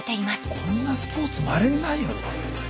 こんなスポーツまれにないよね。